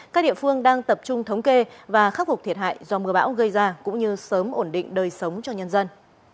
các địa phương đang tập trung thống kê và khắc phục thiệt hại do mưa bão gây ra cũng như sớm ổn định đời sống cho nhân dân